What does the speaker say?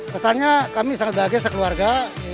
kesannya kami sangat bahagia sekeluarga